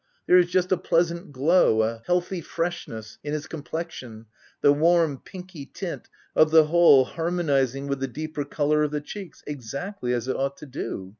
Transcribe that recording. There is just a pleasant glow — a healthy freshness in his complexion, the warm, pinky tint of the whole harmonizing with the deeper colour of the cheeks, exactly as it ought to do.